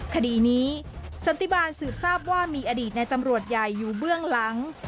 คดีนี้สันติบาลสืบทราบว่ามีอดีตในตำรวจใหญ่อยู่เบื้องหลัง